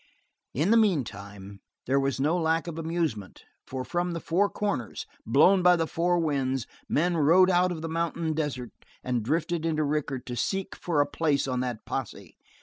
In the meantime, there was no lack of amusement, for from the four corners, blown by the four winds, men rode out of the mountain desert and drifted into Rickett to seek for a place on that posse.